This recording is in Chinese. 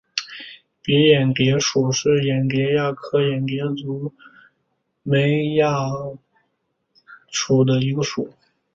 蔽眼蝶属是眼蝶亚科眼蝶族眉眼蝶亚族中的一个属。